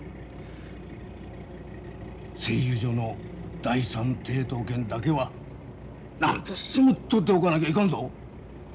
製油所の第三抵当権だけは何としても取っておかなきゃいかんぞ。